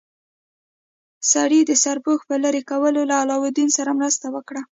سړي د سرپوښ په لرې کولو کې له علاوالدین سره مرسته وکړه.